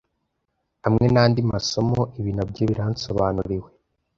Hamwe nandi masomo ibi nabyo biransobanuriwe